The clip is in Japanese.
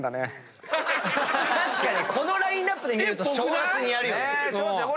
このラインアップで見ると正月にやるよね。